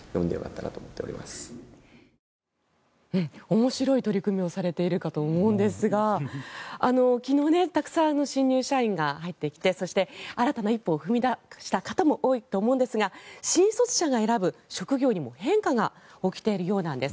面白い取り組みをされているかと思うんですが昨日、たくさん新入社員が入ってきてそして新たな一歩を踏み出した方も多いと思うんですが新卒者が選ぶ職業にも変化が起きているようなんです。